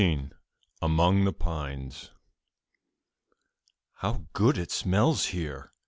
AMONG THE PINES. "How good it smells here!"